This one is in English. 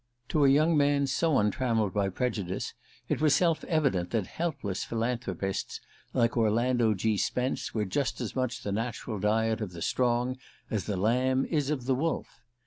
To a young man so untrammelled by prejudice it was self evident that helpless philanthropists like Orlando G. Spence were just as much the natural diet of the strong as the lamb is of the wolf.